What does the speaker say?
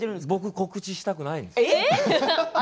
告知したくないんです。